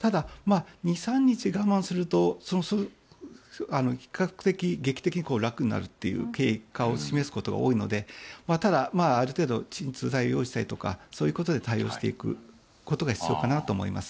２３日我慢すると比較的、楽になるという経過を示すことが多いのである程度、鎮痛剤を打ったりとかそういうことで対応していくことが必要かなと思います。